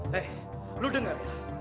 hei lu dengar ya